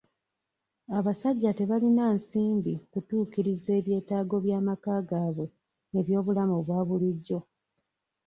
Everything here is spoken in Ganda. Abasajja tebalina nsimbi kutuukiriza eby'etaago by'amaka gaabwe eby'obulamu obwa bulijjo.